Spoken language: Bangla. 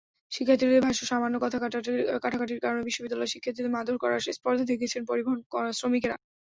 শিক্ষার্থীদের ভাষ্য, সামান্য কথা-কাটাকাটির কারণে বিশ্ববিদ্যালয়ের শিক্ষার্থীদের মারধর করার স্পর্ধা দেখিয়েছেন পরিবহন শ্রমিকেরা।